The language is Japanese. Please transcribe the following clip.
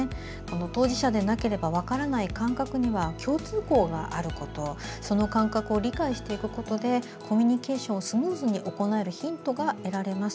当事者でなければ分からない感覚には共通項があることその感覚を理解していくことでコミュニケーションをスムーズに行えるヒントが得られます。